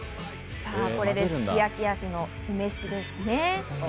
さぁ、これですき焼き味の酢飯ですね。